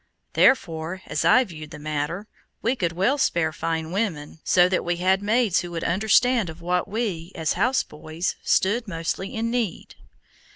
Therefore, as I viewed the matter, we could well spare fine women, so that we had maids who would understand of what we as houseboys stood mostly in need.